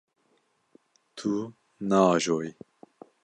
Tu naajoyî.